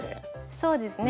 そうですね。